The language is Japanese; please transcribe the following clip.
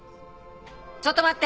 ちょっと待って。